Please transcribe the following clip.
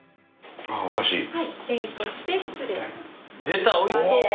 出たおいしそう！